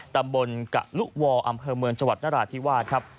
ตำบลกัลุวออมเภอเมืองจนราธิวาดครับ